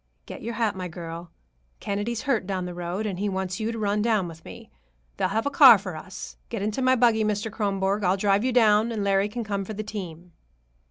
"Get your hat, my girl. Kennedy's hurt down the road, and he wants you to run down with me. They'll have a car for us. Get into my buggy, Mr. Kronborg. I'll drive you down, and Larry can come for the team."